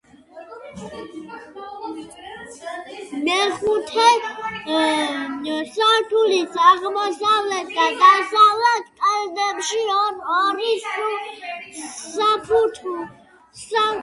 მეოთხე სართულის აღმოსავლეთ და დასავლეთ კედლებში ორ-ორი სათოფურია.